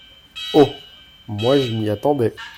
Oh ! moi, je m’y attendais…